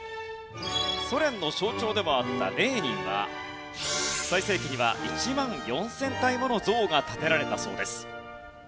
ソ連の象徴でもあったレーニンは最盛期には１万４０００体もの像が建てられたそうです。